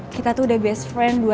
kita tuh udah best friend